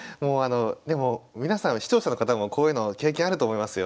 でも皆さん視聴者の方もこういうの経験あると思いますよ。